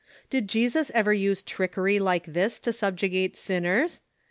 Did Jesus ever use trickery like this to subjugate sinners